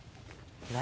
何？